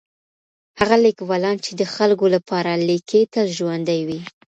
هغه ليکوالان چي د خلګو لپاره ليکي تل ژوندي وي.